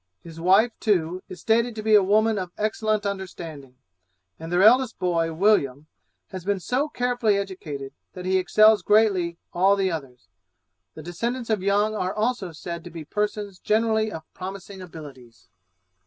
His wife, too, is stated to be a woman of excellent understanding; and their eldest boy, William, has been so carefully educated, that he excels greatly all the others. The descendants of Young are also said to be persons generally of promising abilities.